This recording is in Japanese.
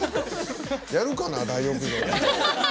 やるかな、大浴場。